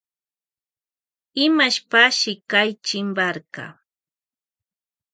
Imashpashi kay chimparka.